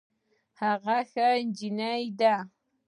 هغه ښه جينۍ ده